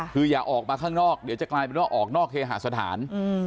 คืออย่าออกมาข้างนอกเดี๋ยวจะกลายเป็นว่าออกนอกเคหาสถาน